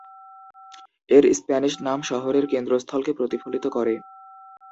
এর স্প্যানিশ নাম শহরের কেন্দ্রস্থলকে প্রতিফলিত করে।